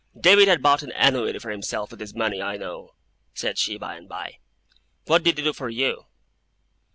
'David had bought an annuity for himself with his money, I know,' said she, by and by. 'What did he do for you?